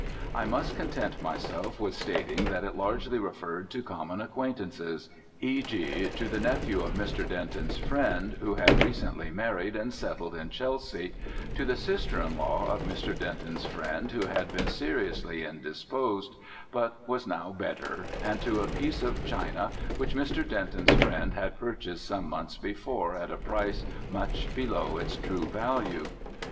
I must content myself with stating that it largely referred to common acquaintances, e.g., to the nephew of Mr. Denton's friend who had recently married and settled in Chelsea, to the sister in law of Mr. Denton's friend who had been seriously indisposed, but was now better, and to a piece of china which Mr. Denton's friend had purchased some months before at a price much below its true value.